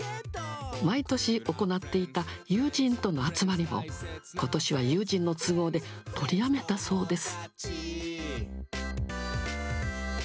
毎年行っていた友人との集まりも、ことしは友人の都合で取りやめたそうです。